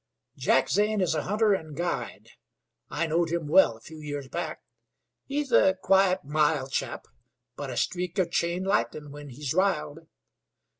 "Jack Zane is a hunter an' guide. I knowed him well a few years back. He's a quiet, mild chap; but a streak of chain lightnin' when he's riled.